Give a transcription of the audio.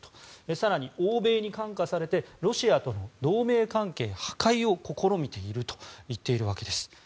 更に、欧米に感化されてロシアとの同盟関係破壊を試みていると言っているわけです。